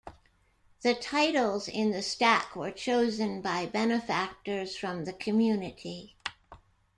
The titles in the stack were chosen by benefactors from the community.